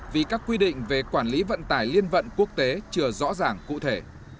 vì các quy định về quản lý vận tải liên vận quốc tế chưa rõ ràng cụ thể